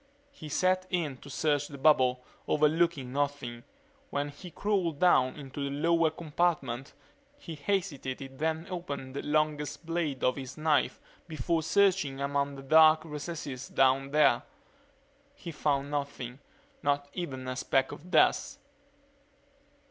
He set in to search the bubble, overlooking nothing. When he crawled down into the lower compartment he hesitated then opened the longest blade of his knife before searching among the dark recesses down there. He found nothing, not even a speck of dust.